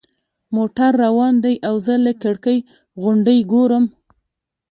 موټر روان دی او زه له کړکۍ غونډۍ ګورم.